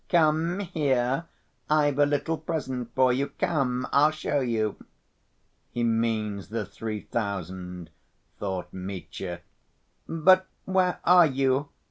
"Come here, I've a little present for you. Come, I'll show you...." "He means the three thousand," thought Mitya. "But where are you?